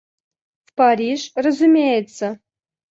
В Париж, разумеется?.